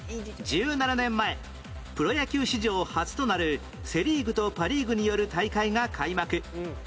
１７年前プロ野球史上初となるセ・リーグとパ・リーグによる大会が開幕